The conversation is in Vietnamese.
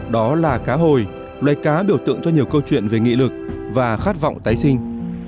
đó là cá hồi loài cá biểu tượng cho nhiều câu chuyện về nghị lực và khát vọng tái sinh